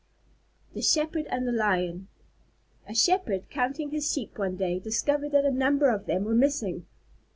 _ THE SHEPHERD AND THE LION A Shepherd, counting his Sheep one day, discovered that a number of them were missing.